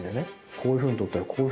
こういうふうに取ったり。